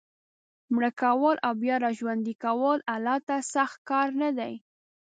مړه کول او بیا را ژوندي کول الله ته سخت کار نه دی.